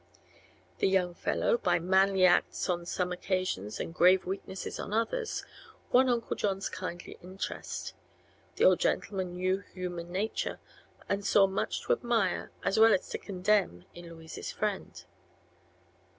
The young fellow, by manly acts on some occasions and grave weaknesses on others, won Uncle John's kindly interest. The old gentleman knew human nature, and saw much to admire as well as condemn in Louise's friend.